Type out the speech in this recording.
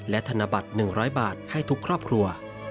และธนบัตร๑๐๐บาทให้ทุกครอบครัว